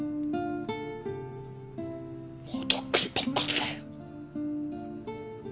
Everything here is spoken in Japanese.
もうとっくにポンコツだよ。